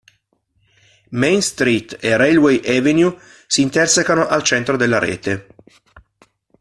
Main Street e Railway Avenue si intersecano al centro della rete.